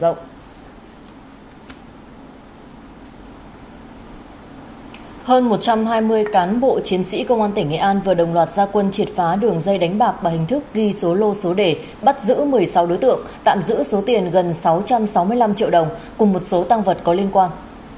hơn một trăm hai mươi cán bộ chiến sĩ công an tỉnh nghệ an vừa đồng loạt gia quân triệt phá đường dây đánh bạc bằng hình thức ghi số lô số đề bắt giữ một mươi sáu đối tượng tạm giữ số tiền gần sáu trăm sáu mươi năm triệu đồng cùng một số tăng vật có liên quan